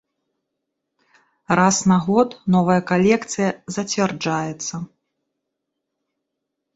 Раз на год новая калекцыя зацвярджаецца.